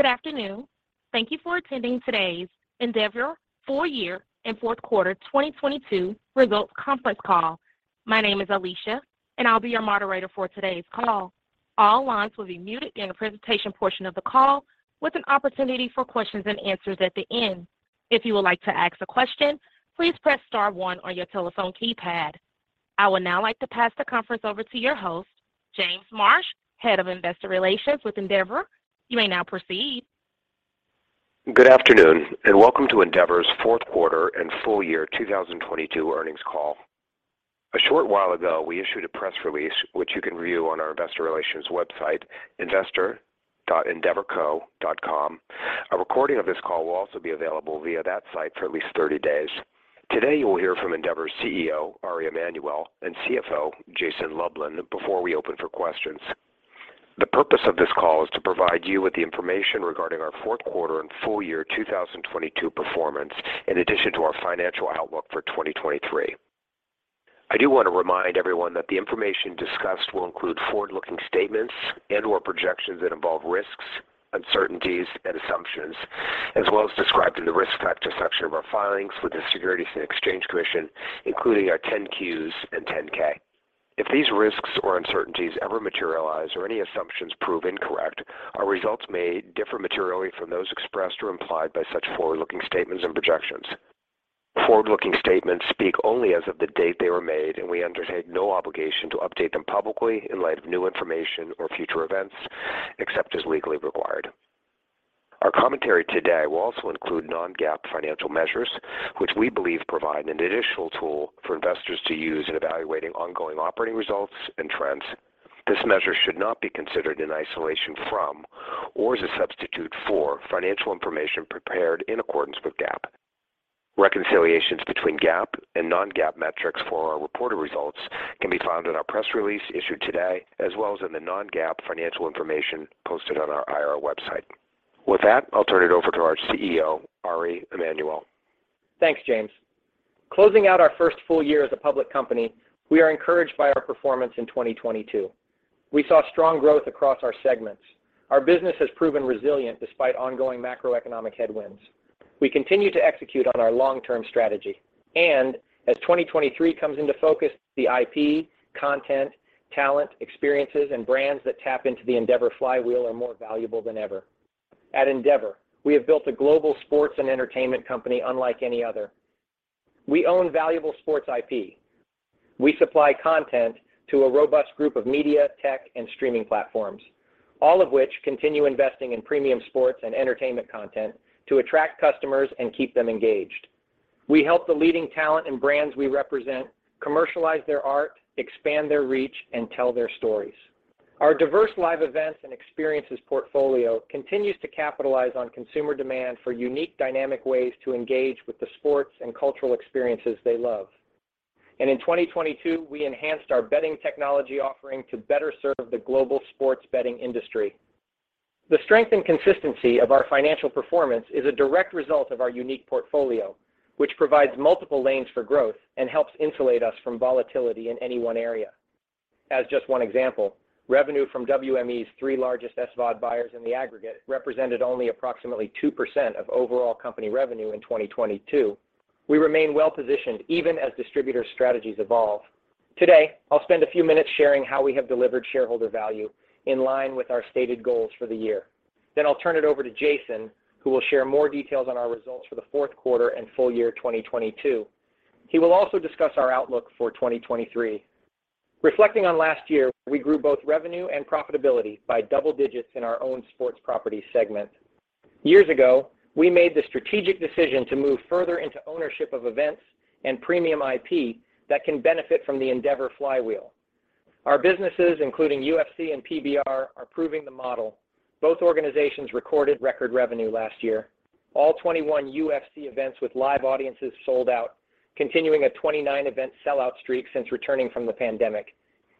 Good afternoon. Thank you for attending today's Endeavor full year and Q4 2022 results conference call. My name is Alicia, and I'll be your moderator for today's call. All lines will be muted during the presentation portion of the call, with an opportunity for Q&A at the end. If you would like to ask a question, please press star one on your telephone keypad. I would now like to pass the conference over to your host, James Marsh, Head of Investor Relations with Endeavor. You may now proceed. Good afternoon, and welcome to Endeavor's Q4 and full year 2022 earnings call. A short while ago, we issued a press release, which you can review on our investor relations website, investor.endeavorco.com. A recording of this call will also be available via that site for at least 30 days. Today, you will hear from Endeavor's CEO, Ari Emanuel, and CFO, Jason Lublin, before we open for questions. The purpose of this call is to provide you with the information regarding our Q4 and full year 2022 performance, in addition to our financial outlook for 2023. I do want to remind everyone that the information discussed will include forward-looking statements and or projections that involve risks, uncertainties, and assumptions, as well as described in the Risk Factors section of our filings with the Securities and Exchange Commission, including our 10-Qs and 10-K. If these risks or uncertainties ever materialize or any assumptions prove incorrect, our results may differ materially from those expressed or implied by such forward-looking statements and projections. Forward-looking statements speak only as of the date they were made. We undertake no obligation to update them publicly in light of new information or future events, except as legally required. Our commentary today will also include non-GAAP financial measures, which we believe provide an additional tool for investors to use in evaluating ongoing operating results and trends. This measure should not be considered in isolation from or as a substitute for financial information prepared in accordance with GAAP. Reconciliations between GAAP and non-GAAP metrics for our reported results can be found in our press release issued today, as well as in the non-GAAP financial information posted on our IR website. With that, I'll turn it over to our CEO, Ari Emanuel. Thanks, James. Closing out our first full year as a public company, we are encouraged by our performance in 2022. We saw strong growth across our segments. Our business has proven resilient despite ongoing macroeconomic headwinds. We continue to execute on our long-term strategy. As 2023 comes into focus, the IP, content, talent, experiences, and brands that tap into the Endeavor flywheel are more valuable than ever. At Endeavor, we have built a global sports and entertainment company unlike any other. We own valuable sports IP. We supply content to a robust group of media, tech, and streaming platforms, all of which continue investing in premium sports and entertainment content to attract customers and keep them engaged. We help the leading talent and brands we represent commercialize their art, expand their reach, and tell their stories. Our diverse live events and experiences portfolio continues to capitalize on consumer demand for unique, dynamic ways to engage with the sports and cultural experiences they love. In 2022, we enhanced our betting technology offering to better serve the global sports betting industry. The strength and consistency of our financial performance is a direct result of our unique portfolio, which provides multiple lanes for growth and helps insulate us from volatility in any one area. As just one example, revenue from WME's 3 largest SVOD buyers in the aggregate represented only approximately 2% of overall company revenue in 2022. We remain well-positioned even as distributor strategies evolve. Today, I'll spend a few minutes sharing how we have delivered shareholder value in line with our stated goals for the year. I'll turn it over to Jason, who will share more details on our results for the Q4 and full year 2022. He will also discuss our outlook for 2023. Reflecting on last year, we grew both revenue and profitability by double digits in our own sports properties segment. Years ago, we made the strategic decision to move further into ownership of events and premium IP that can benefit from the Endeavor flywheel. Our businesses, including UFC and PBR, are proving the model. Both organizations recorded record revenue last year. All 21 UFC events with live audiences sold out, continuing a 29 event sellout streak since returning from the pandemic.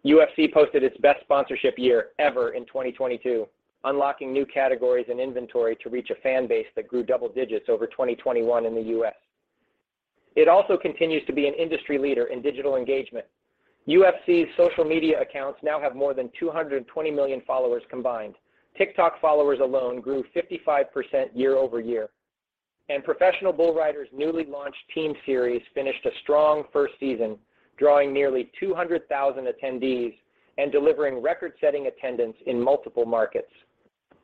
UFC posted its best sponsorship year ever in 2022, unlocking new categories and inventory to reach a fan base that grew double digits over 2021 in the U.S. It also continues to be an industry leader in digital engagement. UFC's social media accounts now have more than 220 million followers combined. TikTok followers alone grew 55% year-over-year. Professional Bull Riders' newly launched Team Series finished a strong first season, drawing nearly 200,000 attendees and delivering record-setting attendance in multiple markets.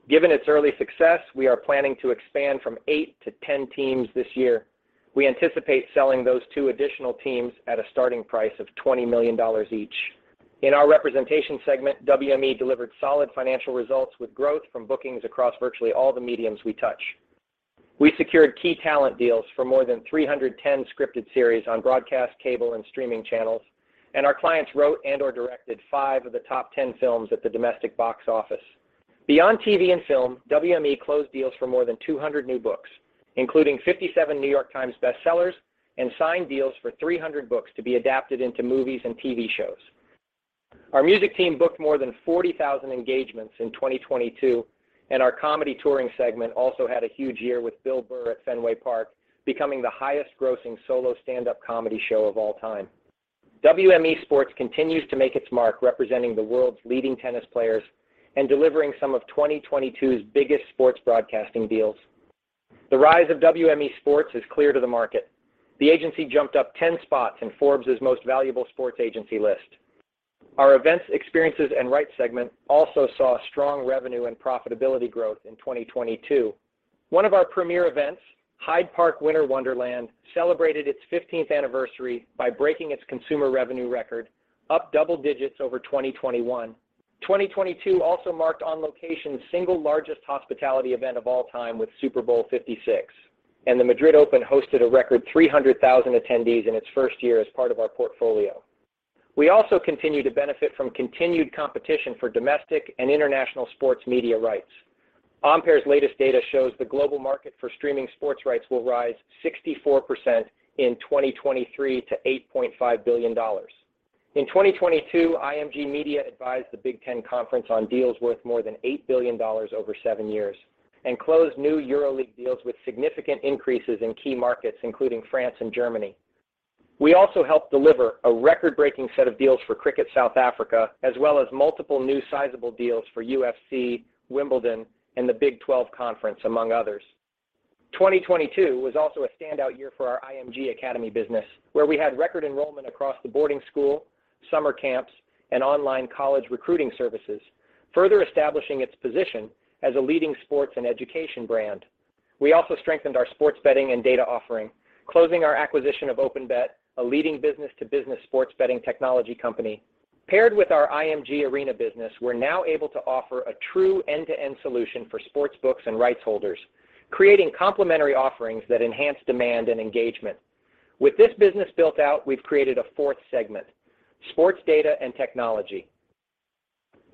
Given its early success, we are planning to expand from 8 to 10 teams this year. We anticipate selling those 2 additional teams at a starting price of $20 million each. In our representation segment, WME delivered solid financial results with growth from bookings across virtually all the mediums we touch. We secured key talent deals for more than 310 scripted series on broadcast, cable, and streaming channels. Our clients wrote and or directed 5 of the top 10 films at the domestic box office. Beyond TV and film, WME closed deals for more than 200 new books, including 57 New York Times bestsellers. Signed deals for 300 books to be adapted into movies and TV shows. Our music team booked more than 40,000 engagements in 2022. Our comedy touring segment also had a huge year with Bill Burr at Fenway Park becoming the highest-grossing solo stand-up comedy show of all time. WME Sports continues to make its mark representing the world's leading tennis players and delivering some of 2022's biggest sports broadcasting deals. The rise of WME Sports is clear to the market. The agency jumped up 10 spots in Forbes' most valuable sports agency list. Our events, experiences, and rights segment also saw strong revenue and profitability growth in 2022. One of our premier events, Hyde Park Winter Wonderland, celebrated its 15th anniversary by breaking its consumer revenue record up double digits over 2021. 2022 also marked On Location's single largest hospitality event of all time with Super Bowl LVI, and the Madrid Open hosted a record 300,000 attendees in its first year as part of our portfolio. We also continue to benefit from continued competition for domestic and international sports media rights. Ampere's latest data shows the global market for streaming sports rights will rise 64% in 2023 to $8.5 billion. In 2022, IMG Media advised the Big Ten Conference on deals worth more than $8 billion over 7 years and closed new EuroLeague deals with significant increases in key markets, including France and Germany. We also helped deliver a record-breaking set of deals for Cricket South Africa, as well as multiple new sizable deals for UFC, Wimbledon, and the Big 12 Conference, among others. 2022 was also a standout year for our IMG Academy business, where we had record enrollment across the boarding school, summer camps, and online college recruiting services, further establishing its position as a leading sports and education brand. We also strengthened our sports betting and data offering, closing our acquisition of OpenBet, a leading business-to-business sports betting technology company. Paired with our IMG ARENA business, we're now able to offer a true end-to-end solution for sports books and rights holders, creating complementary offerings that enhance demand and engagement. With this business built out, we've created a 4th segment, sports data and technology.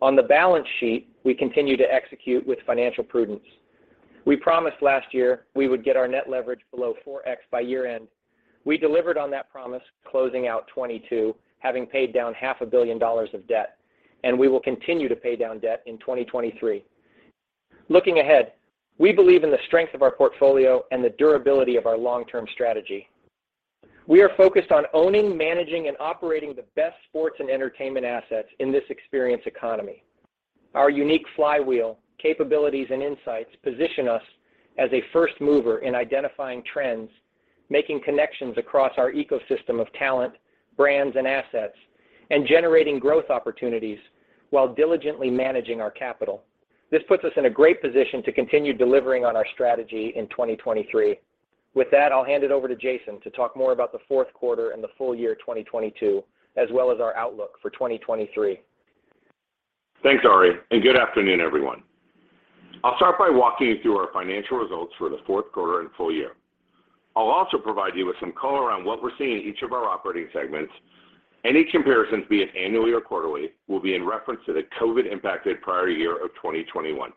On the balance sheet, we continue to execute with financial prudence. We promised last year we would get our net leverage below 4x by year-end. We delivered on that promise, closing out 2022, having paid down half a billion dollars of debt, and we will continue to pay down debt in 2023. Looking ahead, we believe in the strength of our portfolio and the durability of our long-term strategy. We are focused on owning, managing, and operating the best sports and entertainment assets in this experience economy. Our unique flywheel, capabilities, and insights position us as a first mover in identifying trends, making connections across our ecosystem of talent, brands, and assets, and generating growth opportunities while diligently managing our capital. This puts us in a great position to continue delivering on our strategy in 2023. With that, I'll hand it over to Jason to talk more about the Q4 and the full year 2022, as well as our outlook for 2023. Thanks, Ari, and good afternoon, everyone. I'll start by walking you through our financial results for the Q4 and full year. I'll also provide you with some color on what we're seeing in each of our operating segments. Any comparisons, be it annually or quarterly, will be in reference to the COVID-impacted prior year of 2021.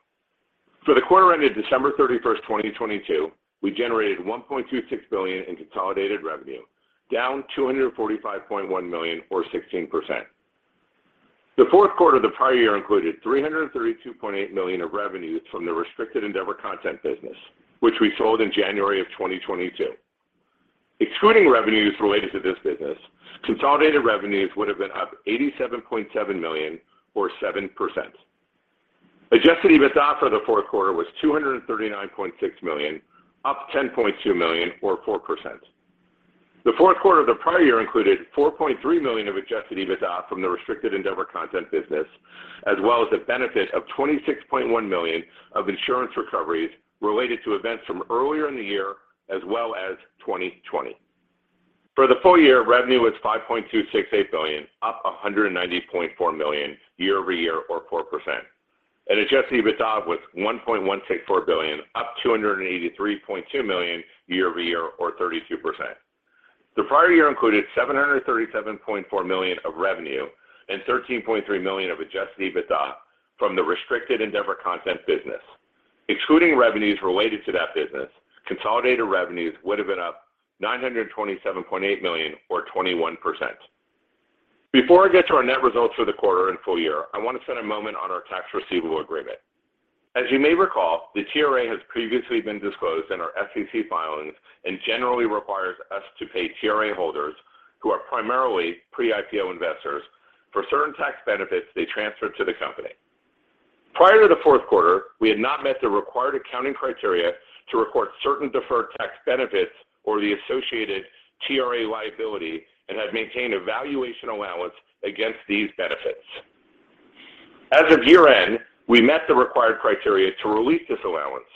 For the quarter ended December 31st, 2022, we generated $1.26 billion in consolidated revenue, down $245.1 million or 16%. The Q4 of the prior year included $332.8 million of revenues from the restricted Endeavor Content business, which we sold in January of 2022. Excluding revenues related to this business, consolidated revenues would have been up $87.7 million or 7%. Adjusted EBITDA for the Q4 was $239.6 million, up $10.2 million or 4%. The Q4 of the prior year included $4.3 million of Adjusted EBITDA from the restricted Endeavor Content business, as well as the benefit of $26.1 million of insurance recoveries related to events from earlier in the year as well as 2020. For the full year, revenue was $5.268 billion, up $190.4 million year-over-year or 4%. Adjusted EBITDA was $1.164 billion, up $283.2 million year-over-year or 32%. The prior year included $737.4 million of revenue and $13.3 million of Adjusted EBITDA from the restricted Endeavor Content business. Excluding revenues related to that business, consolidated revenues would have been up $927.8 million or 21%. Before I get to our net results for the quarter and full year, I want to spend a moment on our Tax Receivable Agreement. As you may recall, the TRA has previously been disclosed in our SEC filings and generally requires us to pay TRA holders who are primarily pre-IPO investors for certain tax benefits they transferred to the company. Prior to the Q4, we had not met the required accounting criteria to record certain deferred tax benefits or the associated TRA liability and had maintained a valuation allowance against these benefits. As of year-end, we met the required criteria to release this allowance,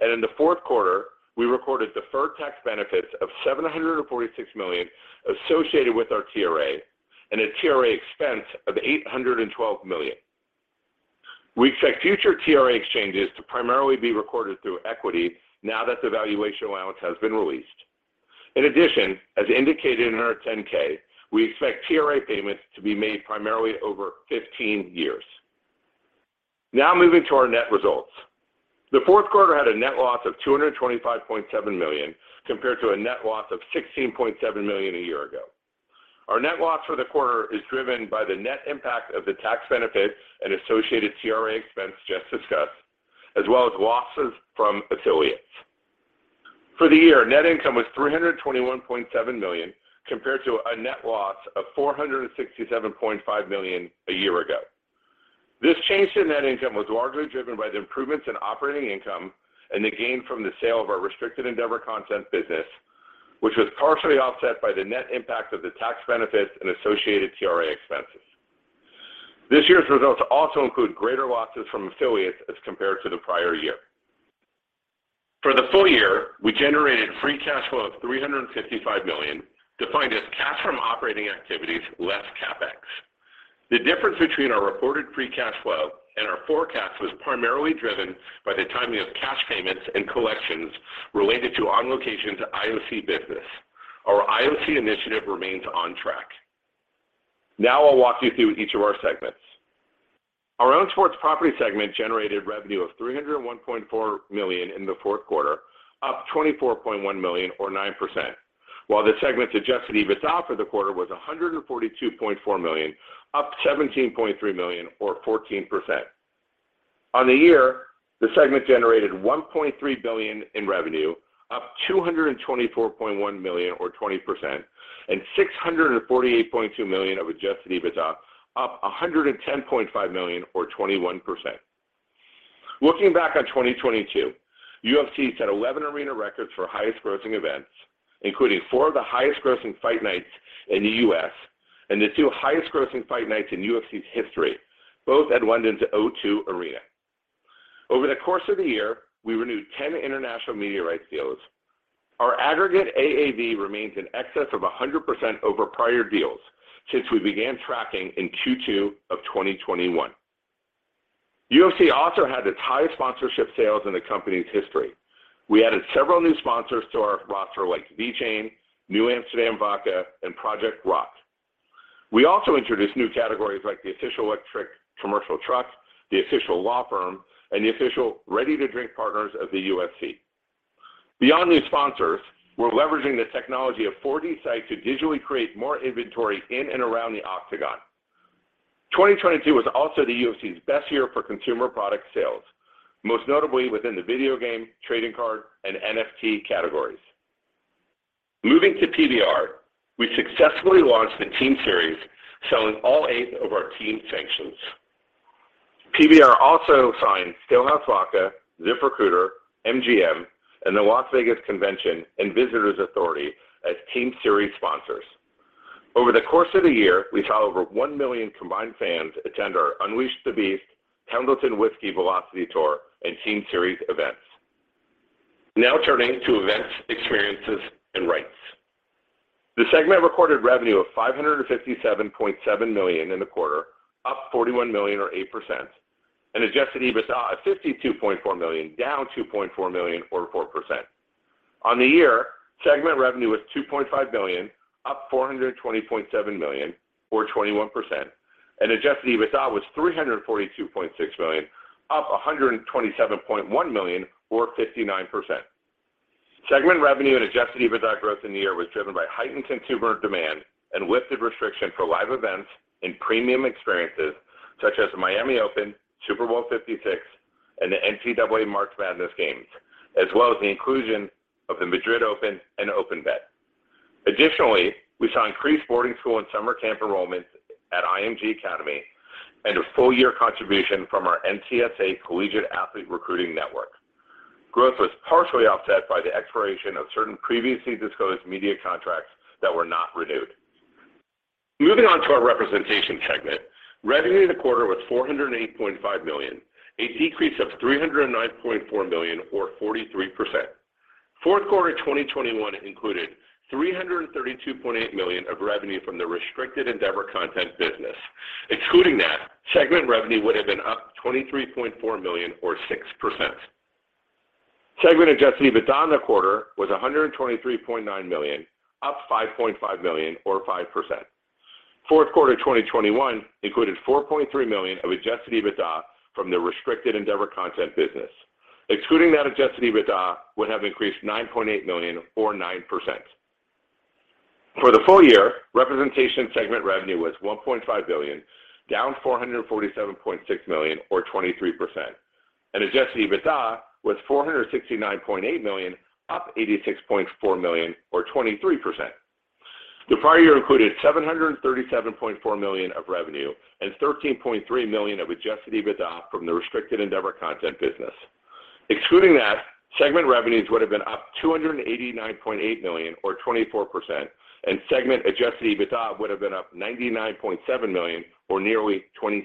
and in the Q4, we recorded deferred tax benefits of $746 million associated with our TRA and a TRA expense of $812 million. We expect future TRA exchanges to primarily be recorded through equity now that the valuation allowance has been released. In addition, as indicated in our 10-K, we expect TRA payments to be made primarily over 15 years. Now moving to our net results. The Q4 had a net loss of $225.7 million compared to a net loss of $16.7 million a year ago. Our net loss for the quarter is driven by the net impact of the tax benefits and associated TRA expense just discussed, as well as losses from affiliates. For the year, net income was $321.7 million, compared to a net loss of $467.5 million a year ago. This change in net income was largely driven by the improvements in operating income and the gain from the sale of our restricted Endeavor Content business, which was partially offset by the net impact of the tax benefits and associated TRA expenses. This year's results also include greater losses from affiliates as compared to the prior year. For the full year, we generated free cash flow of $355 million, defined as cash from operating activities less CapEx. The difference between our reported free cash flow and our forecast was primarily driven by the timing of cash payments and collections related to On Location to IOC business. Our IOC initiative remains on track. I'll walk you through each of our segments. Our Own Sports Property segment generated revenue of $301.4 million in the Q4, up $24.1 million or 9%, while the segment's Adjusted EBITDA for the quarter was $142.4 million, up $17.3 million or 14%. On the year, the segment generated $1.3 billion in revenue, up $224.1 million or 20%, and $648.2 million of Adjusted EBITDA, up $110.5 million or 21%. Looking back on 2022, UFC set 11 arena records for highest grossing events, including 4 of the highest grossing fight nights in the U.S. and the 2 highest grossing fight nights in UFC's history, both at London's O2 Arena. Over the course of the year, we renewed 10 international media rights deals. Our aggregate AAV remains in excess of 100% over prior deals since we began t racking in 2-2 of 2021. UFC also had its highest sponsorship sales in the company's history. We added several new sponsors to our roster like VeChain, New Amsterdam Vodka, and Project Rock. We also introduced new categories like the official electric commercial truck, the official law firm, and the official ready-to-drink partners of the UFC. Beyond new sponsors, we're leveraging the technology of 4D Sight to digitally create more inventory in and around the Octagon. 2022 was also the UFC's best year for consumer product sales, most notably within the video game, trading card, and NFT categories. Moving to PBR, we successfully launched the Team Series, selling all 8 of our team sanctions. PBR also signed Stillhouse Vodka, ZipRecruiter, MGM, and the Las Vegas Convention and Visitors Authority as Team Series sponsors. Over the course of the year, we saw over 1 million combined fans attend our Unleash The Beast, Pendleton Whisky Velocity Tour, and Team Series events. Turning to events, experiences, and rights. The segment recorded revenue of $557.7 million in the quarter, up $41 million or 8%, and adjusted EBITDA of $52.4 million, down $2.4 million or 4%. On the year, segment revenue was $2.5 billion, up $420.7 million, or 21%, and adjusted EBITDA was $342.6 million, up $127.1 million, or 59%. Segment revenue and adjusted EBITDA growth in the year was driven by heightened consumer demand and lifted restriction for live events and premium experiences such as the Miami Open, Super Bowl LVI, and the NCAA March Madness games, as well as the inclusion of the Madrid Open and OpenBet. We saw increased boarding school and summer camp enrollments at IMG Academy and a full year contribution from our NCSA Collegiate Athlete Recruiting Network. Growth was partially offset by the expiration of certain previously disclosed media contracts that were not renewed. Moving on to our representation segment. Revenue in the quarter was $408.5 million, a decrease of $309.4 million, or 43%. Q4 2021 included $332.8 million of revenue from the restricted Endeavor Content business. Excluding that, segment revenue would have been up $23.4 million or 6%. Segment adjusted EBITDA in the quarter was $123.9 million, up $5.5 million or 5%. Q4 2021 included $4.3 million of adjusted EBITDA from the restricted Endeavor Content business. Excluding that, adjusted EBITDA would have increased $9.8 million or 9%. For the full year, representation segment revenue was $1.5 billion, down $447.6 million or 23%, and adjusted EBITDA was $469.8 million, up $86.4 million or 23%. The prior year included $737.4 million of revenue and $13.3 million of adjusted EBITDA from the restricted Endeavor Content business. Excluding that, segment revenues would have been up $289.8 million or 24%, and segment adjusted EBITDA would have been up $99.7 million or nearly 27%.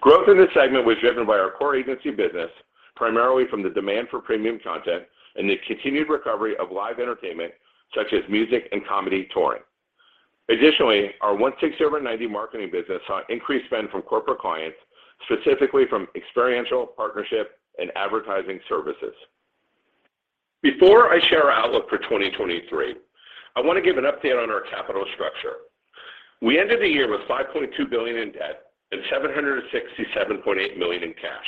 Growth in this segment was driven by our core agency business, primarily from the demand for premium content and the continued recovery of live entertainment such as music and comedy touring. Additionally, our 160/90 marketing business saw increased spend from corporate clients, specifically from experiential partnership and advertising services. Before I share our outlook for 2023, I want to give an update on our capital structure. We ended the year with $5.2 billion in debt and $767.8 million in cash,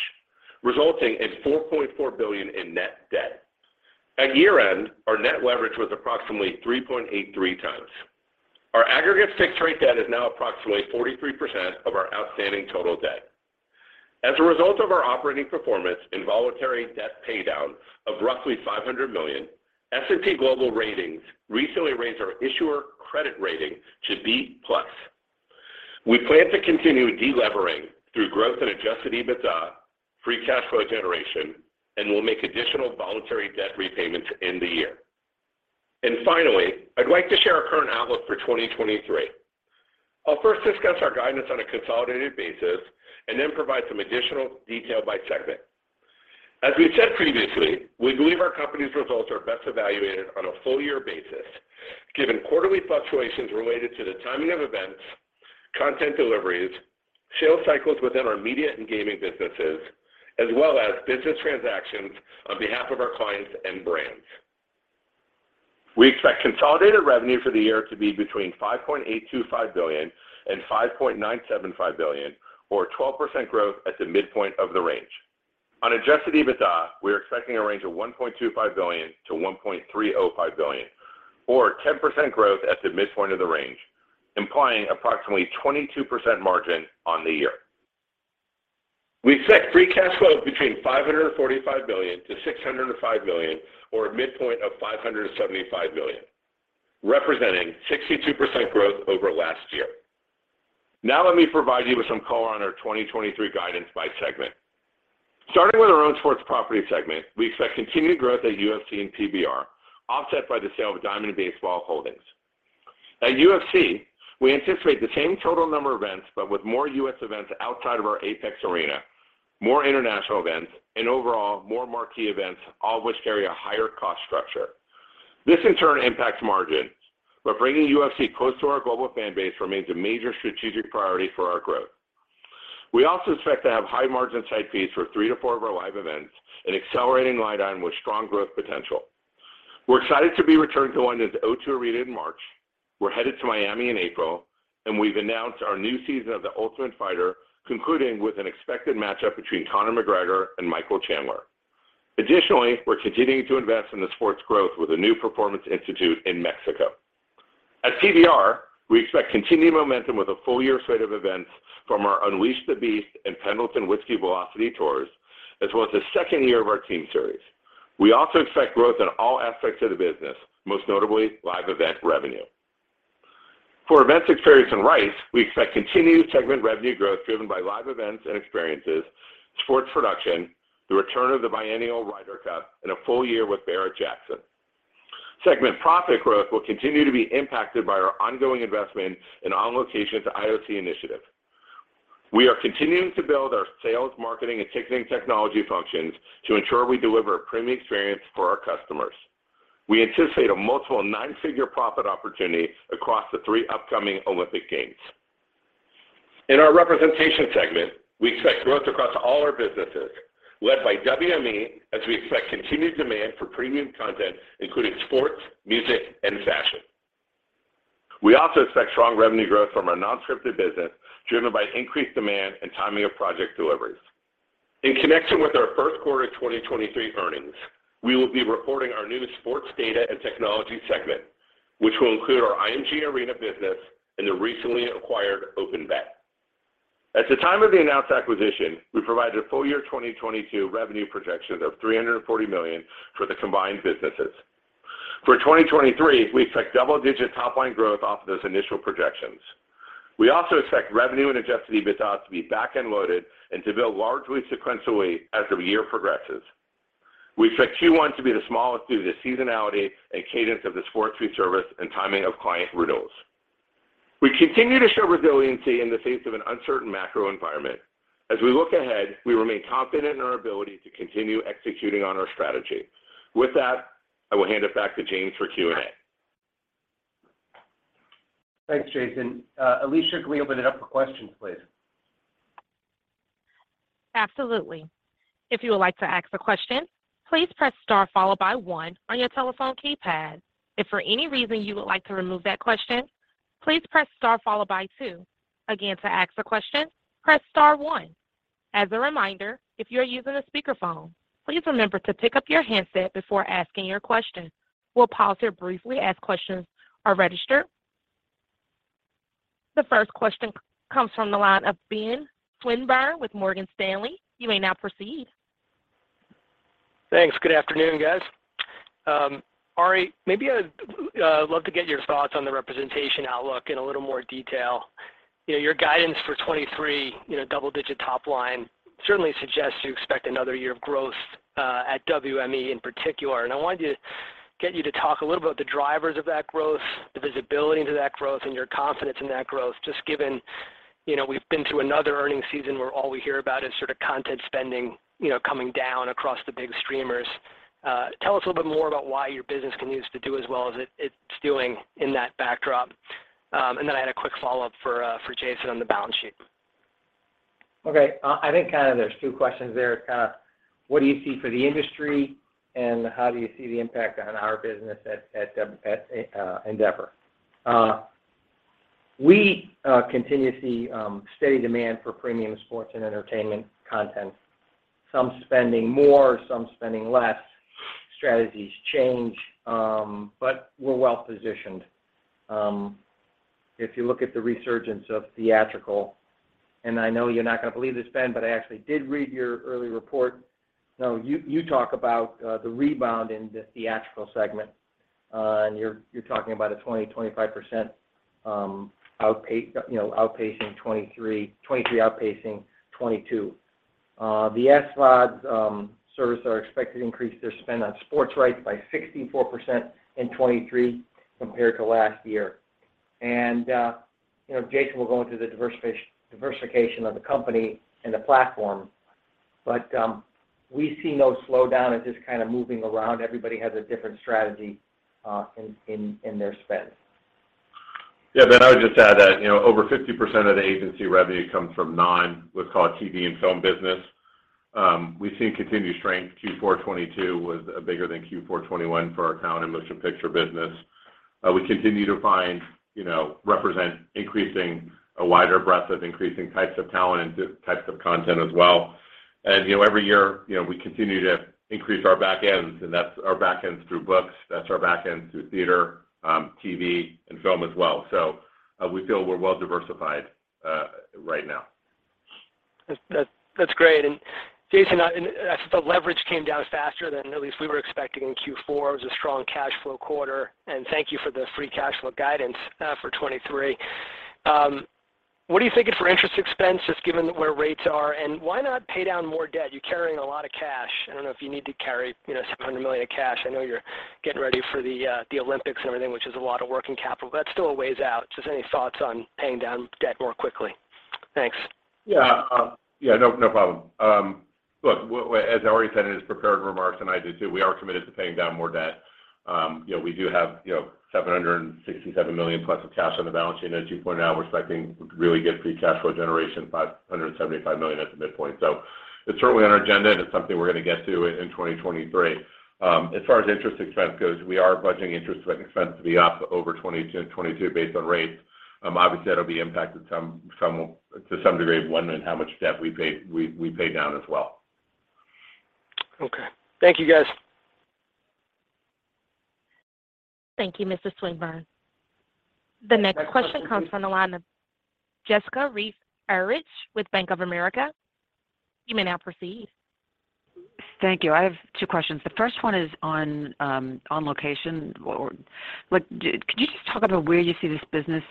resulting in $4.4 billion in net debt. At year-end, our net leverage was approximately 3.83 times. Our aggregate fixed-rate debt is now approximately 43% of our outstanding total debt. As a result of our operating performance and voluntary debt pay down of roughly $500 million, S&P Global Ratings recently raised our issuer credit rating to B+. We plan to continue delevering through growth and adjusted EBITDA, free cash flow generation, and we'll make additional voluntary debt repayments in the year. Finally, I'd like to share our current outlook for 2023. I'll first discuss our guidance on a consolidated basis and then provide some additional detail by segment. As we've said previously, we believe our company's results are best evaluated on a full year basis, given quarterly fluctuations related to the timing of events, content deliveries, sales cycles within our media and gaming businesses, as well as business transactions on behalf of our clients and brands. We expect consolidated revenue for the year to be between $5.825 billion and $5.975 billion, or 12% growth at the midpoint of the range. On adjusted EBITDA, we're expecting a range of $1.25 billion to $1.305 billion, or 10% growth at the midpoint of the range, implying approximately 22% margin on the year. We expect free cash flow between $545 billion to $605 billion, or a midpoint of $575 billion, representing 62% growth over last year. Now let me provide you with some color on our 2023 guidance by segment. Starting with our own sports property segment, we expect continued growth at UFC and PBR, offset by the sale of Diamond Baseball Holdings. At UFC, we anticipate the same total number of events, but with more U.S. events outside of our Apex arena, more international events, and overall more marquee events, all of which carry a higher cost structure. This in turn impacts margins, bringing UFC close to our global fan base remains a major strategic priority for our growth. We also expect to have high margin side fees for 3 to 4 of our live events, an accelerating light on with strong growth potential. We're excited to be returning to London's O2 Arena in March. We're headed to Miami in April. We've announced our new season of The Ultimate Fighter, concluding with an expected matchup between Conor McGregor and Michael Chandler. Additionally, we're continuing to invest in the sport's growth with a new performance institute in Mexico. At PBR, we expect continued momentum with a full year slate of events from our Unleash the Beast and Pendleton Whisky Velocity tours, as well as the second year of our team series. We also expect growth in all aspects of the business, most notably live event revenue. For events, experience, and rights, we expect continued segment revenue growth driven by live events and experiences, sports production, the return of the biannual Ryder Cup, and a full year with Barrett-Jackson. Segment profit growth will continue to be impacted by our ongoing investment in On Location to IOC initiative. We are continuing to build our sales, marketing, and ticketing technology functions to ensure we deliver a premium experience for our customers. We anticipate a multiple 9-figure profit opportunity across the 3 upcoming Olympic Games. In our representation segment, we expect growth across all our businesses, led by WME, as we expect continued demand for premium content, including sports, music, and fashion. We also expect strong revenue growth from our non-scripted business, driven by increased demand and timing of project deliveries. In connection with our Q1 2023 earnings, we will be reporting our new sports data and technology segment, which will include our IMG Arena business and the recently acquired OpenBet. At the time of the announced acquisition, we provided a full year 2022 revenue projection of $340 million for the combined businesses. For 2023, we expect double-digit top line growth off of those initial projections. We also expect revenue and adjusted EBITDA to be back-end loaded and to build largely sequentially as the year progresses. We expect Q1 to be the smallest due to seasonality and cadence of the sports free service and timing of client renewals. We continue to show resiliency in the face of an uncertain macro environment. As we look ahead, we remain confident in our ability to continue executing on our strategy. With that, I will hand it back to James for Q&A. Thanks, Jason. Alicia, can we open it up for questions, please? Absolutely. If you would like to ask a question, please press star followed by one on your telephone keypad. If for any reason you would like to remove that question, please press star followed by 2. Again, to ask a question, press star one. As a reminder, if you are using a speakerphone, please remember to pick up your handset before asking your question. We'll pause here briefly as questions are registered. The first question comes from the line of Ben Swinburne with Morgan Stanley. You may now proceed. Thanks. Good afternoon, guys. Ari, maybe I'd love to get your thoughts on the representation outlook in a little more detail. You know, your guidance for 23, you know, double-digit top line certainly suggests you expect another year of growth at WME in particular. I wanted to get you to talk a little about the drivers of that growth, the visibility into that growth, and your confidence in that growth, just given, you know, we've been through another earnings season where all we hear about is sort of content spending, you know, coming down across the big streamers. Tell us a little bit more about why your business continues to do as well as it's doing in that backdrop. Then I had a quick follow-up for Jason on the balance sheet. Okay. I think kind of there's 2 questions there. Kind of what do you see for the industry and how do you see the impact on our business at Endeavor? We continue to see steady demand for premium sports and entertainment content. Some spending more, some spending less. Strategies change. We're well-positioned. If you look at the resurgence of theatrical, I know you're not gonna believe this, Ben, I actually did read your early report. You talk about the rebound in the theatrical segment, you're talking about a 25%, you know, outpacing 2023 outpacing 2022. The SVODs service are expected to increase their spend on sports rights by 64% in 2023 compared to last year. You know, Jason will go into the diversification of the company and the platform, but we see no slowdown. It's just kind of moving around. Everybody has a different strategy in their spend. Yeah. Ben, I would just add that, you know, over 50% of the agency revenue comes from non-what's called TV and film business. We've seen continued strength. Q4 2022 was bigger than Q4 2023 for our talent and motion picture business. We continue to find, you know, represent increasing a wider breadth of increasing types of talent and types of content as well. You know, every year, you know, we continue to increase our back ends, and that's our back ends through books, that's our back ends through theater, TV, and film as well. We feel we're well-diversified right now. That's great. Jason, As the leverage came down faster than at least we were expecting in Q4, it was a strong cash flow quarter. Thank you for the free cash flow guidance for 2023. What are you thinking for interest expense, just given where rates are? Why not pay down more debt? You're carrying a lot of cash. I don't know if you need to carry, you know, $700 million of cash. I know you're getting ready for the Olympics and everything, which is a lot of working capital. That's still a ways out. Just any thoughts on paying down debt more quickly? Thanks. Yeah. Yeah. No, no problem. Look, as I already said in his prepared remarks, and I do too, we are committed to paying down more debt. You know, we do have, you know, $767 million plus of cash on the balance sheet. As you pointed out, we're expecting really good free cash flow generation, $575 million at the midpoint. It's certainly on our agenda, and it's something we're gonna get to in 2023. As far as interest expense goes, we are budgeting interest expense to be up over 2022 based on rates. Obviously, that'll be impacted some to some degree, when and how much debt we pay down as well. Okay. Thank you, guys. Thank you, Mr. Swinburne. The next question comes from the line of Jessica Reif Ehrlich with Bank of America. You may now proceed. Thank you. I have 2 questions. The first one is on On Location or... Like, could you just talk about where you see this business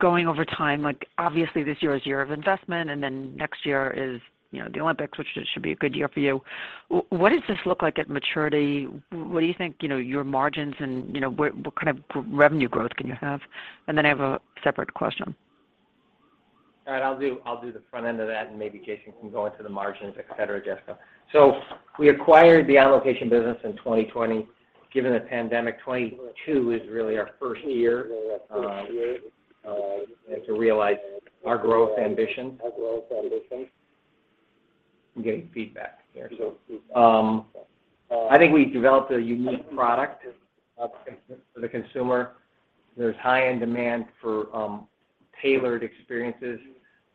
going over time? Like, obviously, this year is year of investment, and then next year is, you know, the Olympics, which should be a good year for you. What does this look like at maturity? What do you think, you know, your margins and, you know, where, what kind of revenue growth can you have? I have a separate question. All right. I'll do the front end of that, and maybe Jason can go into the margins, et cetera, Jessica. We acquired the On Location business in 2020. Given the pandemic, 2022 is really our first year to realize our growth ambition. I'm getting feedback here. I think we've developed a unique product for the consumer. There's high-end demand for tailored experiences.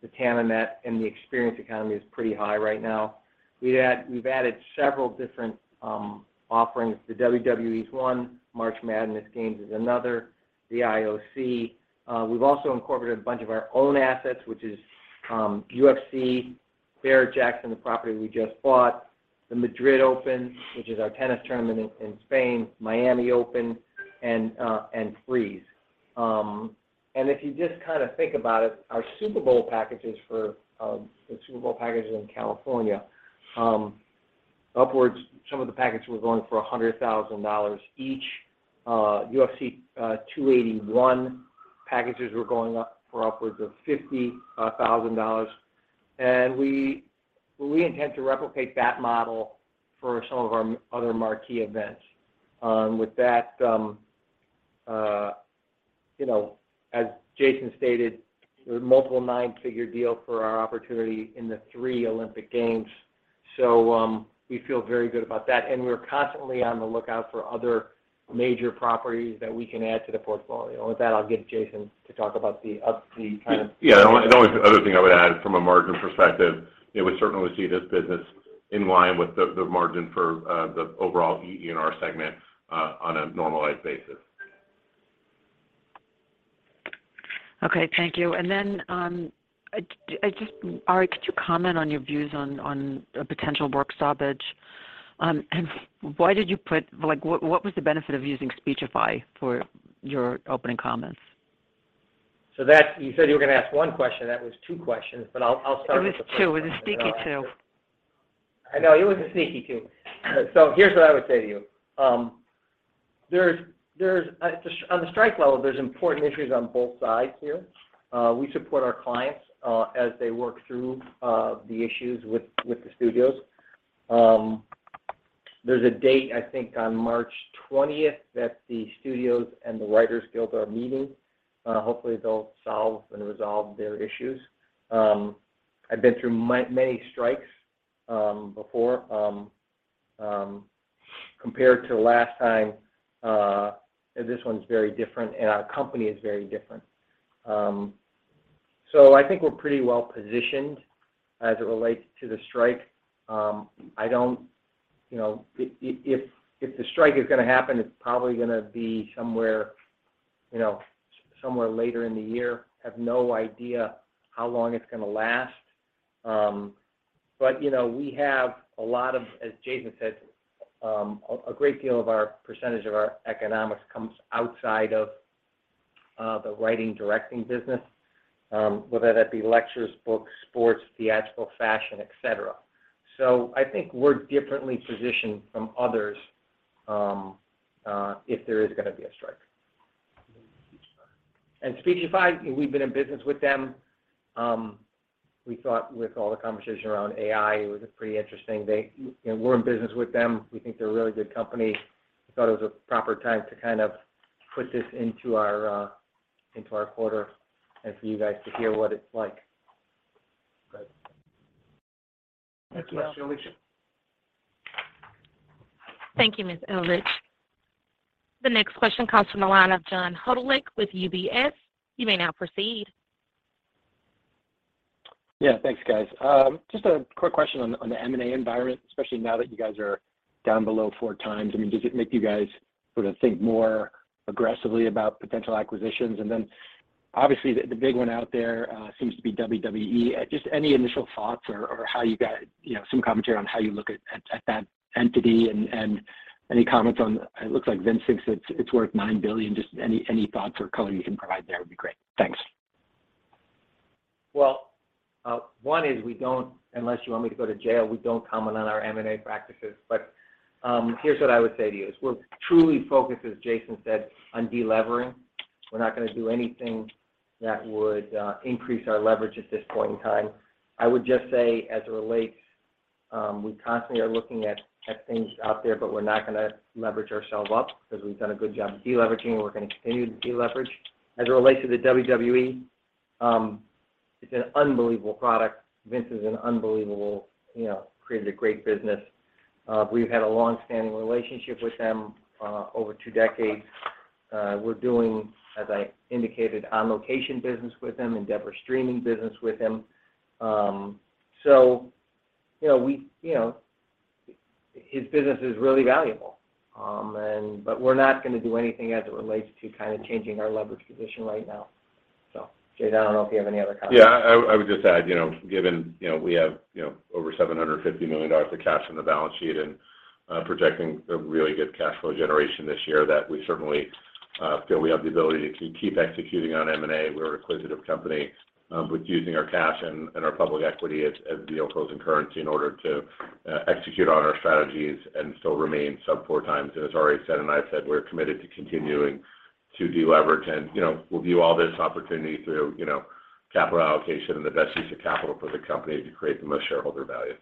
The TAM on that and the experience economy is pretty high right now. We've added several different offerings. The WWE's one, March Madness games is another, the IOC. We've also incorporated a bunch of our own assets, which is UFC, Barrett-Jackson, the property we just bought, the Madrid Open, which is our tennis tournament in Spain, Miami Open, and Frieze. If you just kinda think about it, our Super Bowl packages for the Super Bowl packages in California, upwards. Some of the packages were going for $100,000 each. UFC 281 packages were going up for upwards of $50,000. We intend to replicate that model for some of our other marquee events. With that, you know, as Jason stated, there are multiple 9-figure deal for our opportunity in the 3 Olympic Games, so we feel very good about that. We're constantly on the lookout for other major properties that we can add to the portfolio. With that, I'll get Jason to talk about the kind of- Yeah. The only other thing I would add from a margin perspective, you know, we certainly see this business in line with the margin for the overall EENR segment on a normalized basis. Okay. Thank you. Then, just Ari, could you comment on your views on a potential work stoppage? Like, what was the benefit of using Speechify for your opening comments? You said you were going to ask one question. That was 2 questions, but I'll start with the first one. It was 2. It was a sneaky 2. I know. It was a sneaky 2. Here's what I would say to you. On the strike level, there's important issues on both sides here. We support our clients as they work through the issues with the studios. There's a date, I think, on March 20th that the studios and the Writers Guild are meeting. Hopefully, they'll solve and resolve their issues. I've been through many strikes before. Compared to last time, this one's very different, and our company is very different. I think we're pretty well-positioned as it relates to the strike. I don't, you know, if the strike is gonna happen, it's probably gonna be somewhere, you know, somewhere later in the year. Have no idea how long it's gonna last. You know, we have a lot of, as Jason said, a great deal of our percentage of our economics comes outside of the writing, directing business, whether that be lectures, books, sports, theatrical, fashion, et cetera. I think we're differently positioned from others if there is gonna be a strike. Speechify, we've been in business with them. We thought with all the conversation around AI, it was pretty interesting. We're in business with them. We think they're a really good company. Thought it was a proper time to kind of put this into our into our quarter, and for you guys to hear what it's like. Next question. Alicia. Thank you, Ms. Ehrlich. The next question comes from the line of John Hodulik with UBS. You may now proceed. Yeah. Thanks, guys. Just a quick question on the M&A environment, especially now that you guys are down below 4 times. I mean, does it make you guys sort of think more aggressively about potential acquisitions? Obviously the big one out there, seems to be WWE. Just any initial thoughts or how you you know, some commentary on how you look at that entity and any comments It looks like Vince thinks it's worth $9 billion. Just any thoughts or color you can provide there would be great. Thanks. One is we don't, unless you want me to go to jail, we don't comment on our M&A practices. Here's what I would say to you is we're truly focused, as Jason said, on delevering. We're not gonna do anything that would increase our leverage at this point in time. I would just say as it relates, we constantly are looking at things out there, but we're not gonna leverage ourselves up because we've done a good job of delevering, and we're gonna continue to deleverage. As it relates to the WWE, it's an unbelievable product. Vince is an unbelievable, you know, created a great business. We've had a long-standing relationship with them over 2 decades. We're doing, as I indicated, On Location business with them, Endeavor Streaming business with them. You know, we, you know, his business is really valuable. We're not gonna do anything as it relates to kind of changing our leverage position right now. Jason, I don't know if you have any other comments. Yeah. I would just add, you know, given, you know, we have, you know, over $750 million of cash on the balance sheet and projecting a really good cash flow generation this year, that we certainly feel we have the ability to keep executing on M&A. We're an acquisitive company, with using our cash and our public equity as deal closing currency in order to execute on our strategies and still remain sub 4x. As Ari said, and I've said, we're committed to continuing to deleverage and, you know, we'll view all this opportunity through, you know, capital allocation and the best use of capital for the company to create the most shareholder value.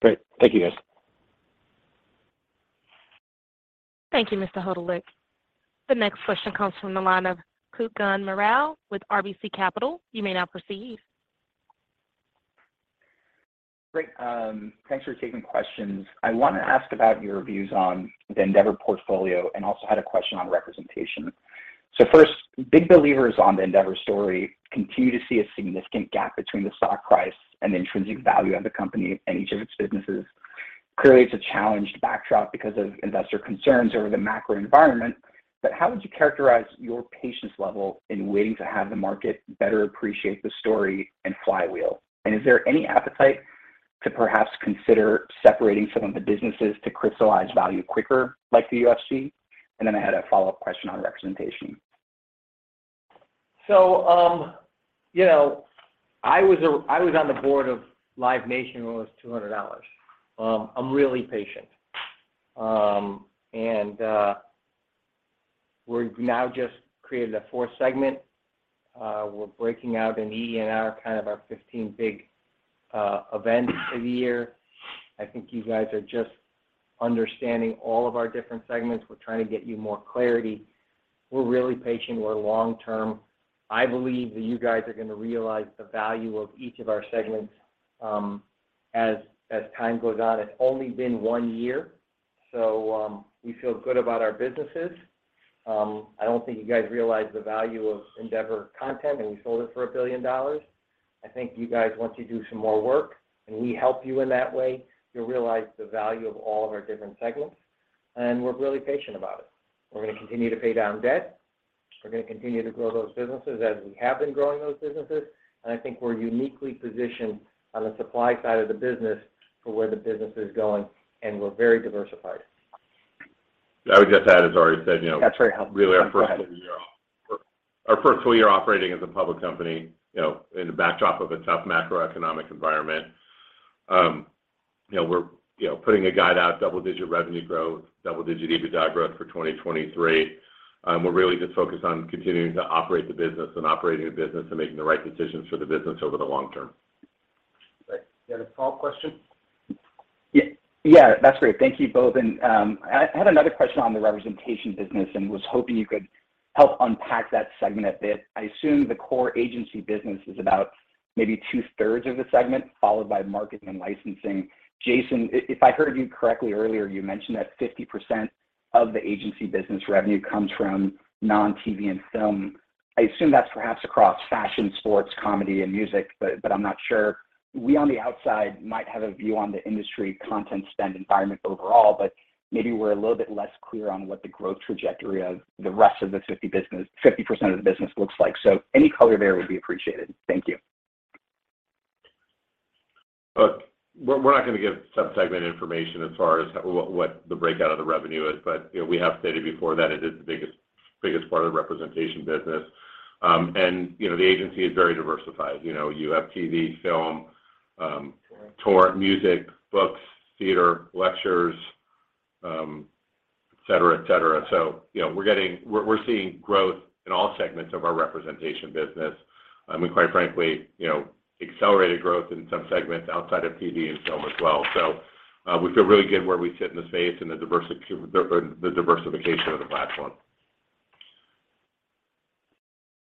Great. Thank you, guys. Thank you, Mr. Hodulik. The next question comes from the line of Kutgun Maral with RBC Capital. You may now proceed. Great. Thanks for taking questions. I wanna ask about your views on the Endeavor portfolio, also had a question on representation. First, big believers on the Endeavor story continue to see a significant gap between the stock price and the intrinsic value of the company and each of its businesses. Clearly, it's a challenged backdrop because of investor concerns over the macro environment. How would you characterize your patience level in waiting to have the market better appreciate the story and flywheel? Is there any appetite to perhaps consider separating some of the businesses to crystallize value quicker, like the UFC? Then I had a follow-up question on representation. You know, I was on the board of Live Nation when it was $200. I'm really patient. We've now just created a 4th segment. We're breaking out in E&R kind of our 15 big events of the year. I think you guys are just understanding all of our different segments. We're trying to get you more clarity. We're really patient. We're long term. I believe that you guys are gonna realize the value of each of our segments as time goes on. It's only been one year, so we feel good about our businesses. I don't think you guys realize the value of Fifth Season, and we sold it for $1 billion. I think you guys want to do some more work, and we help you in that way. You'll realize the value of all of our different segments. We're really patient about it. We're gonna continue to pay down debt. We're gonna continue to grow those businesses as we have been growing those businesses. I think we're uniquely positioned on the supply side of the business for where the business is going, and we're very diversified. I would just add, as Ari said, you know... That's very helpful. Really our first full year operating as a public company, you know, in the backdrop of a tough macroeconomic environment. You know, we're, you know, putting a guide out, double-digit revenue growth, double-digit EBITDA growth for 2023. We're really just focused on continuing to operate the business and making the right decisions for the business over the long term. Great. You had a follow-up question? Yeah. Yeah, that's great. Thank you both. I had another question on the representation business and was hoping you could help unpack that segment a bit. I assume the core agency business is about maybe 2/3 of the segment, followed by marketing and licensing. Jason, if I heard you correctly earlier, you mentioned that 50% of the agency business revenue comes from non-TV and film. I assume that's perhaps across fashion, sports, comedy, and music, but I'm not sure. We on the outside might have a view on the industry content spend environment overall, but maybe we're a little bit less clear on what the growth trajectory of the rest of the 50% of the business looks like. Any color there would be appreciated. Thank you. Look, we're not going to give sub-segment information as far as what the breakout of the revenue is. You know, we have stated before that it is the biggest part of the representation business. You know, the agency is very diversified. You know, you have TV, film. Tour... tour, music, books, theater, lectures, et cetera, et cetera. You know, we're seeing growth in all segments of our representation business. I mean, quite frankly, you know, accelerated growth in some segments outside of TV and film as well. We feel really good where we sit in the space and the diversification of the platform.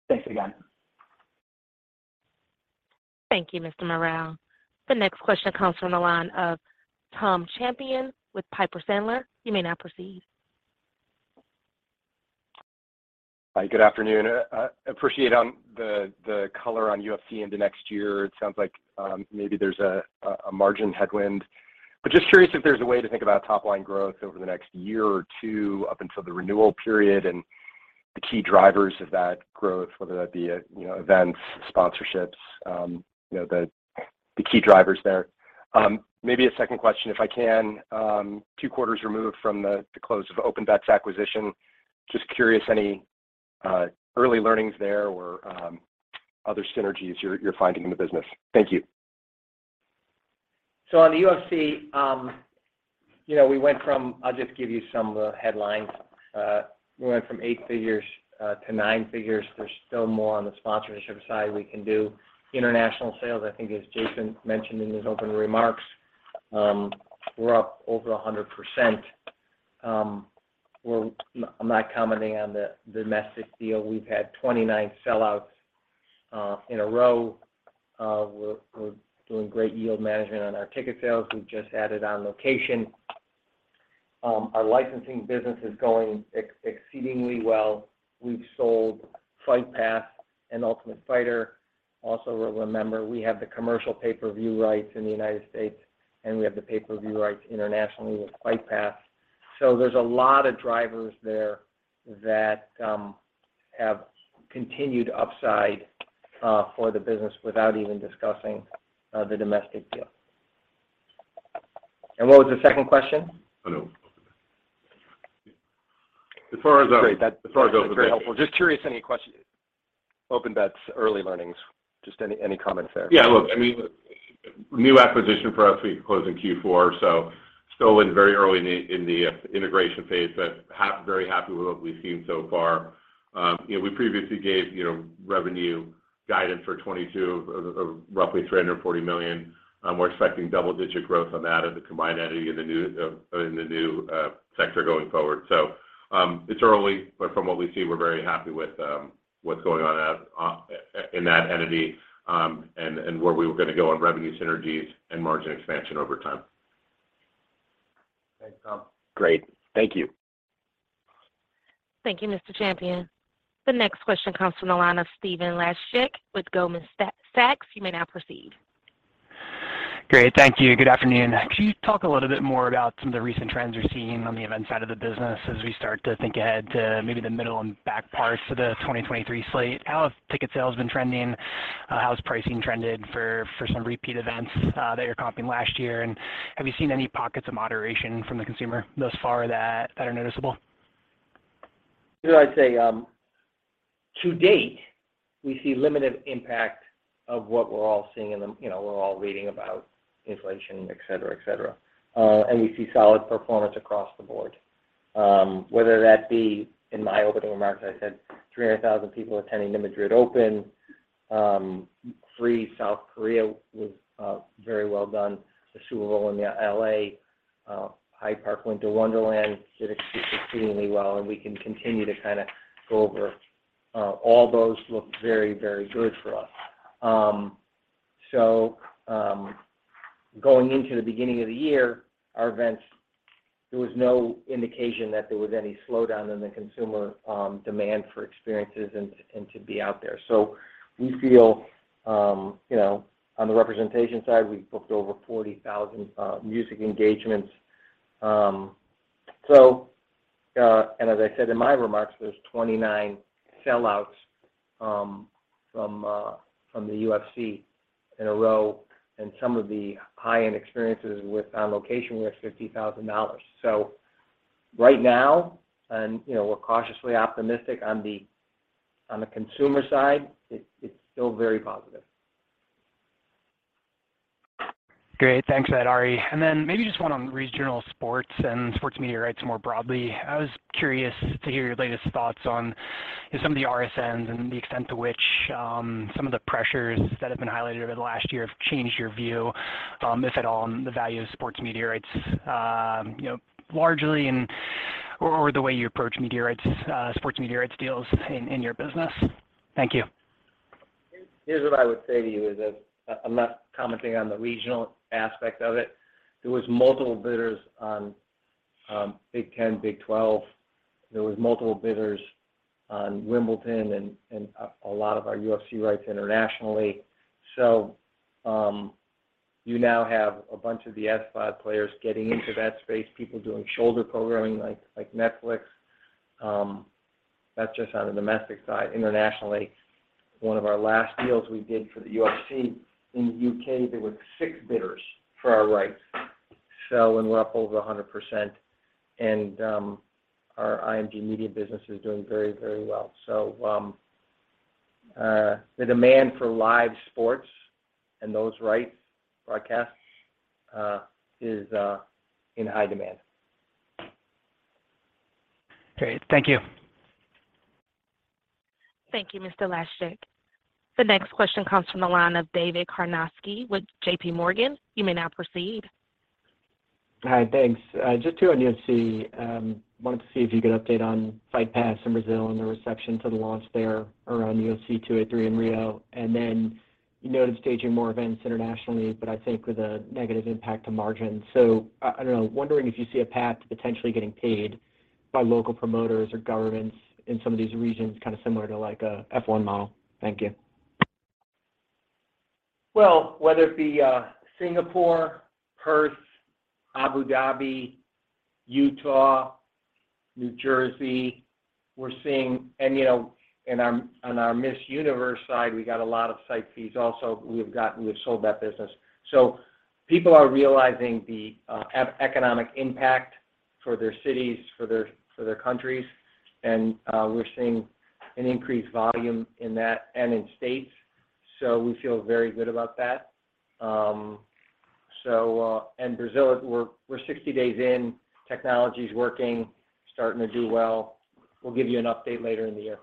Thanks again. Thank you, Mr. Maral. The next question comes from the line of Tom Champion with Piper Sandler. You may now proceed. Hi, good afternoon. Appreciate on the color on UFC into next year. It sounds like maybe there's a margin headwind. Just curious if there's a way to think about top-line growth over the next year or 2 up until the renewal period and the key drivers of that growth, whether that be at, you know, events, sponsorships, you know, the key drivers there. Maybe a second question, if I can. 2 quarters removed from the close of OpenBet acquisition, just curious, any early learnings there or other synergies you're finding in the business? Thank you. On the UFC, you know, I'll just give you some of the headlines. We went from 8 figures to 9 figures. There's still more on the sponsorship side we can do. International sales, I think as Jason mentioned in his opening remarks, we're up over 100%. I'm not commenting on the domestic deal. We've had 29 sellouts in a row. We're doing great yield management on our ticket sales. We've just added On Location. Our licensing business is going exceedingly well. We've sold Fight Pass and The Ultimate Fighter. Also remember, we have the commercial pay-per-view rights in the United States, and we have the pay-per-view rights internationally with Fight Pass. There's a lot of drivers there that have continued upside for the business without even discussing the domestic deal. What was the second question? Oh, no. As far as. Great. As far as OpenBet. That's very helpful. Just curious, any OpenBet early learnings, just any comments there? Yeah, look, I mean, new acquisition for us. We closed in Q4, so still very early in the integration phase, but very happy with what we've seen so far. You know, we previously gave, you know, revenue guidance for 2022 of roughly $340 million. We're expecting double-digit growth on that as a combined entity in the new sector going forward. It's early, but from what we see, we're very happy with what's going on in that entity, and where we were gonna go on revenue synergies and margin expansion over time. Thanks, Tom. Great. Thank you. Thank you, Mr. Champion. The next question comes from the line of Stephen Laszczyk with Goldman Sachs. You may now proceed. Great. Thank you. Good afternoon. Can you talk a little bit more about some of the recent trends you're seeing on the event side of the business as we start to think ahead to maybe the middle and back parts of the 2023 slate? How have ticket sales been trending? How has pricing trended for some repeat events that you're comping last year? Have you seen any pockets of moderation from the consumer thus far that are noticeable? You know, I'd say, to date, we see limited impact of what we're all seeing in the, you know, we're all reading about inflation, et cetera, et cetera. We see solid performance across the board. Whether that be in my opening remarks, I said 300,000 people attending the Madrid Open. Frieze Seoul was very well done. The Frieze Los Angeles, Hyde Park Winter Wonderland did exceedingly well, we can continue to kinda go over. All those looked very, very good for us. Going into the beginning of the year, our events, there was no indication that there was any slowdown in the consumer demand for experiences and to be out there. We feel, you know, on the representation side, we've booked over 40,000 music engagements. As I said in my remarks, there's 29 sellouts from the UFC in a row, and some of the high-end experiences with On Location were $50,000. Right now, and you know, we're cautiously optimistic on the consumer side, it's still very positive. Great. Thanks for that, Ari. Then maybe just one on regional sports and sports media rights more broadly. I was curious to hear your latest thoughts on some of the RSNs and the extent to which some of the pressures that have been highlighted over the last year have changed your view, if at all, on the value of sports media rights, you know, largely in or the way you approach media rights, sports media rights deals in your business. Thank you. Here's what I would say to you is that I'm not commenting on the regional aspect of it. There was multiple bidders on Big Ten, Big 12. There was multiple bidders on Wimbledon and a lot of our UFC rights internationally. You now have a bunch of the SVOD players getting into that space, people doing shoulder programming like Netflix. That's just on the domestic side. Internationally, one of our last deals we did for the UFC in the U.K., there were 6 bidders for our rights. When we're up over 100% and our IMG Media business is doing very, very well. The demand for live sports and those rights broadcasts is in high demand. Great. Thank you. Thank you, Mr. Laszczyk. The next question comes from the line of David Karnovsky with JPMorgan. You may now proceed. Hi. Thanks. Just 2 on UFC. Wanted to see if you could update on Fight Pass in Brazil and the reception to the launch there around UFC 283 in Rio. You noted staging more events internationally, but I think with a negative impact to margin. I don't know, wondering if you see a path to potentially getting paid by local promoters or governments in some of these regions, kind of similar to like, a F1 model. Thank you. Well, whether it be Singapore, Perth, Abu Dhabi, Utah, New Jersey, we're seeing... You know, on our Miss Universe side, we got a lot of site fees also. We've sold that business. People are realizing the economic impact for their cities, for their, for their countries, and we're seeing an increased volume in that and in states. We feel very good about that. Brazil, we're 60 days in. Technology's working, starting to do well. We'll give you an update later in the year.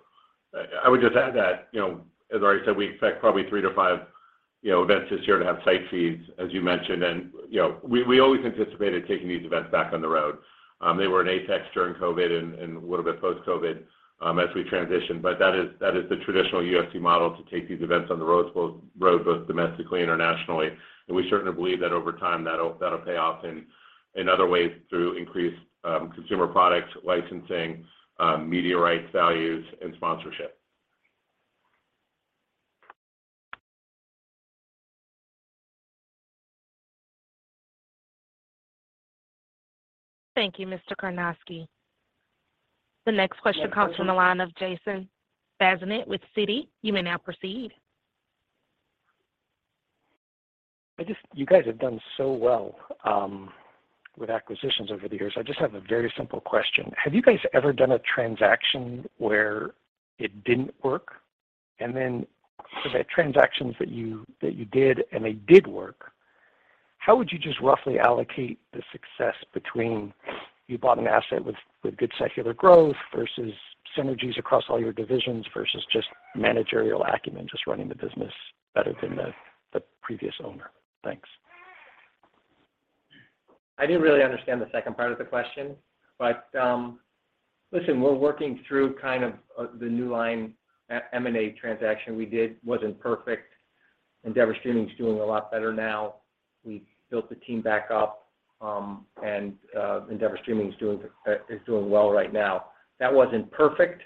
I would just add that, you know, as Ari said, we expect probably 3 to 5, you know, events this year to have site fees, as you mentioned. You know, we always anticipated taking these events back on the road. They were in APEX during COVID and a little bit post-COVID, as we transitioned. That is the traditional UFC model to take these events on the road both domestically, internationally. We certainly believe that over time, that'll pay off in other ways through increased consumer products, licensing, media rights values and sponsorship. Thank you, Mr. Karnovsky. The next question comes from the line of Jason Bazinet with Citi. You may now proceed. I just, you guys have done so well with acquisitions over the years. I just have a very simple question. Have you guys ever done a transaction where it didn't work? For the transactions that you did and they did work, how would you just roughly allocate the success between you bought an asset with good secular growth versus synergies across all your divisions versus just managerial acumen, just running the business better than the previous owner? Thanks. I didn't really understand the second part of the question, listen, we're working through kind of the Newline M&A transaction we did. It wasn't perfect. Endeavor Streaming is doing a lot better now. We've built the team back up, Endeavor Streaming is doing well right now. That wasn't perfect,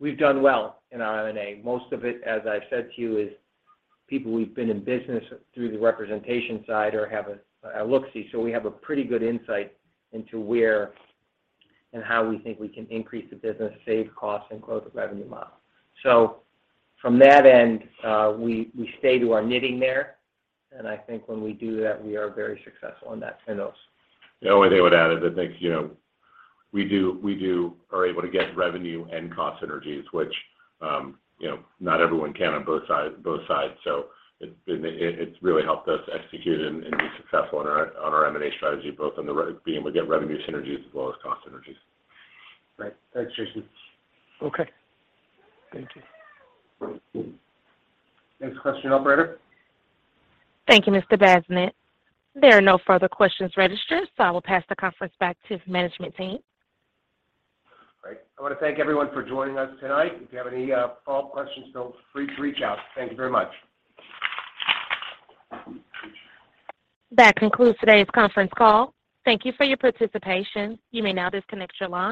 we've done well in M&A. Most of it, as I've said to you, is people we've been in business through the representation side or have a look-see. We have a pretty good insight into where and how we think we can increase the business, save costs, and grow the revenue model. From that end, we stay to our knitting there, I think when we do that, we are very successful in that synopsis. The only thing I would add is I think, you know, we do are able to get revenue and cost synergies, which, you know, not everyone can on both sides. It's really helped us execute and be successful on our M&A strategy, both on being able to get revenue synergies as well as cost synergies. Right. Thanks, Jason. Okay. Thank you. Next question, operator. Thank you, Mr. Bazinet. There are no further questions registered. I will pass the conference back to management team. Great. I wanna thank everyone for joining us tonight. If you have any follow-up questions, feel free to reach out. Thank you very much. That concludes today's conference call. Thank you for your participation. You may now disconnect your line.